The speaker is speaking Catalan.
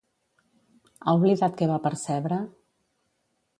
Ha oblidat què va percebre?